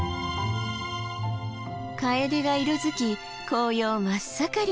カエデが色づき紅葉真っ盛り。